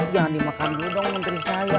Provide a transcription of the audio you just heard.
jangan dimakan dulu dong menteri saya